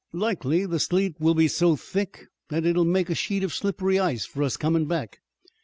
Likely the sleet will be so thick that it will make a sheet of slippery ice for us comin' back.